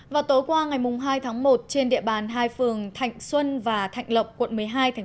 vào tối qua ngày hai tháng một trên địa bàn hai phường thạnh xuân và thạnh lộng